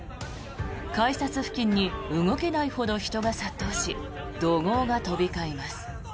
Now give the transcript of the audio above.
改札付近に動けないほど人が殺到し怒号が飛び交います。